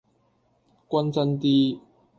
均真啲